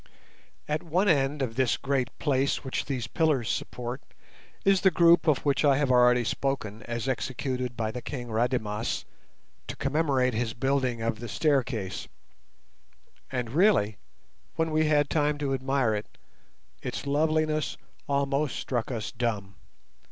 At one end of this great place which these pillars support is the group of which I have already spoken as executed by the King Rademas to commemorate his building of the staircase; and really, when we had time to admire it, its loveliness almost struck us dumb.